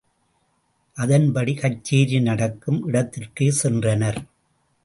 அதன்படி கச்சேரி நடக்கும் இடத்திற்குச் சென்றனர்.